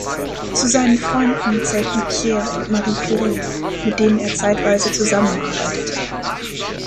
Zu seinen Freunden zählten Pierre und Marie Curie, mit denen er zeitweise zusammenarbeitete.